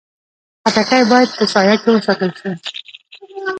خټکی باید په سایه کې وساتل شي.